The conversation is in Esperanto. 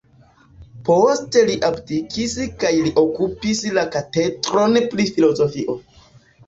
Poste li abdikis kaj li okupis la katedron pri filozofio.